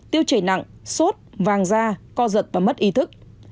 tiêu chảy nặng sốt vàng da co giật và mất ý thức